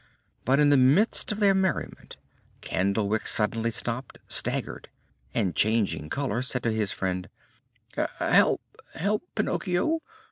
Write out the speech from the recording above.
But in the midst of their merriment Candlewick suddenly stopped, staggered, and, changing color, said to his friend: "Help, help, Pinocchio!"